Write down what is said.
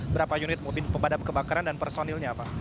berapa unit mobil pemadam kebakaran dan personilnya pak